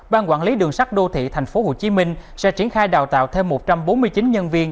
ban quản lý đường sắt đô thị thành phố hồ chí minh sẽ triển khai đào tạo thêm một trăm bốn mươi chín nhân viên